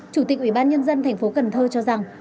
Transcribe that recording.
chủ tịch ủy ban nhân dân thành phố cần thơ cho rằng